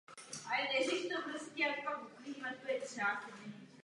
Potřebujeme ukazatele a přesný rozvrh postupu při zavádění práv dítěte.